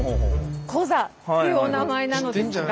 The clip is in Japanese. コザっていうお名前なのですが。